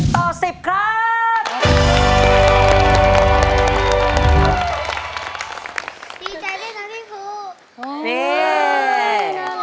ดีใจด้วยนะพี่ฟูอื้อนี่